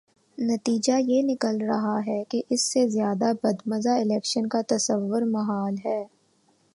نتیجہ یہ نکل رہا ہے کہ اس سے زیادہ بدمزہ الیکشن کا تصور محال ہے۔